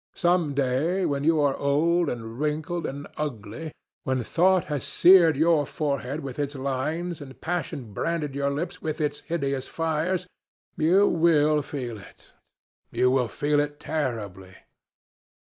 Some day, when you are old and wrinkled and ugly, when thought has seared your forehead with its lines, and passion branded your lips with its hideous fires, you will feel it, you will feel it terribly.